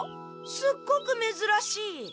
すっごくめずらしい！